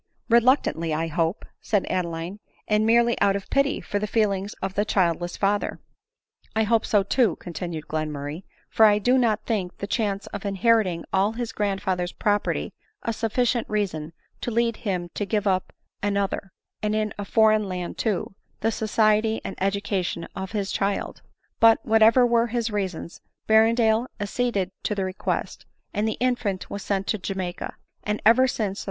" Reluctantly, I hope," said Adeline, " and merely out of pity for the feelings of the childless father." " I hope so too," continued Glenmurray 5 " for I do not think the chance of inheriting all his grandfather's property a sufficient reason to lead him to give up to an other, and in a foreign land too, the society and education of his child ; but, whatever were his reasons, Berrendale acceded to the request, and the infant was sent to Jamai ca ; and ever since the 3007.